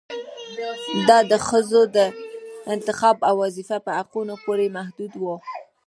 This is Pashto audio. دا د ښځو د انتخاب او وظيفو په حقونو پورې محدود و